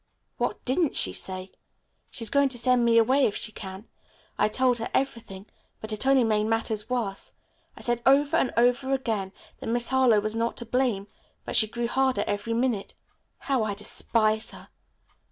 "What didn't she say. She is going to send me away if she can. I told her everything, but it only made matters worse. I said over and over again that Miss Harlowe was not to blame, but she grew harder every minute. How I despise her."